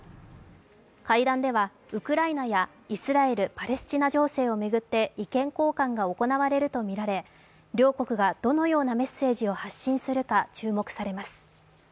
会談ではウクライナやイスラエル・パレスチナ情勢を巡って意見交換が行われるとみられ両国がどのようなメッセージを発信するか注目されます。